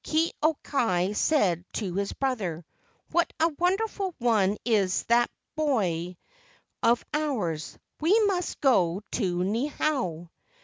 Ke au kai said to his brother: "What a wonderful one is that boy of ours! We must go to Niihau."